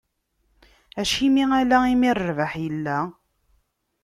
Acimi ala imi rrbeḥ illa?